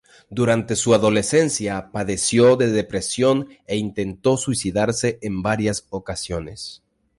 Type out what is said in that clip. Durante su adolescencia, padeció de depresión e intentó suicidarse en varias ocasiones.